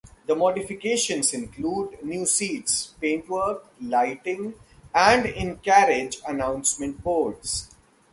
The modifications include new seats, paintwork, lighting and in carriage announcement boards.